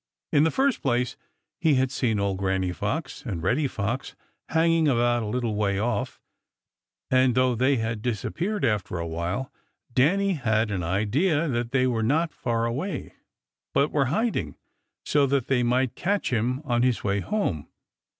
In the first place, he had seen old Granny Fox and Reddy Fox hanging about a little way off, and though they had disappeared after a while, Danny had an idea that they were not far away, but were hiding so that they might catch him on his way home.